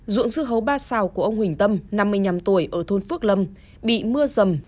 ruộng dưa hấu ba xào của ông huỳnh tâm năm mươi năm tuổi ở thôn phước lâm bị mưa rầm